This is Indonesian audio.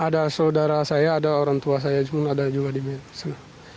ada saudara saya ada orang tua saya juga ada di myanmar